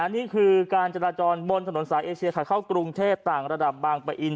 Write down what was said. นี่คือการจราจรบนถนนสายเอเชียค่ะเข้ากรุงเทพต่างระดับบางปะอิน